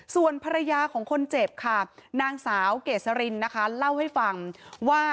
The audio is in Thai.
ส่วนภรรยาของคนเจ็บค่ะนางสาวเกษรินนะคะเล่าให้ฟังว่า